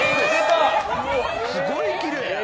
すごいきれい。